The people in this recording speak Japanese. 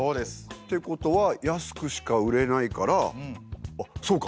ってことは安くしか売れないからあっそうか！